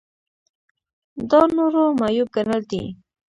دا نورو معیوب ګڼل دي.